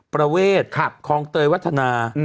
ประเวทคลองเตยวัฒนา